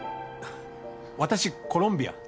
私コロンビア